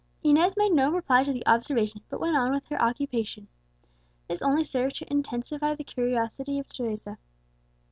Inez made no reply to the observation, but went on with her occupation. This only served to intensify the curiosity of Teresa.